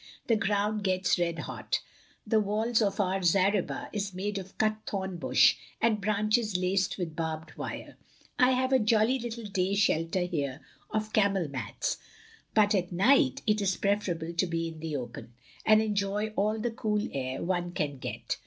The ground gets red hot. The wall of our zareba is made of cut thorn bush, and branches laced with barbed wire. I have a jolly little day shelter here of camel mats, but at night it is preferable to be in the open, and enjoy all the cool air one can get.